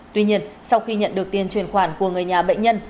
tuy nhiên sau khi nhận được tiền truyền khoản của người nhà bệnh nhân